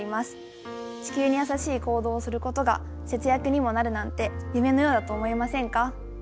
地球に優しい行動をすることが節約にもなるなんて夢のようだと思いませんか？